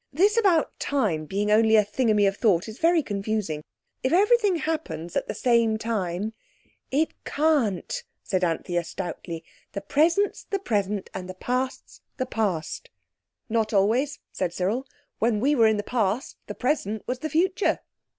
This about time being only a thingummy of thought is very confusing. If everything happens at the same time—" "It can't!" said Anthea stoutly, "the present's the present and the past's the past." "Not always," said Cyril. "When we were in the Past the present was the future.